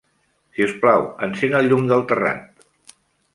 Si us plau, encén el llum del terrat.